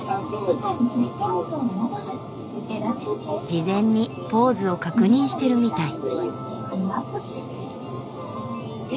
事前にポーズを確認してるみたい。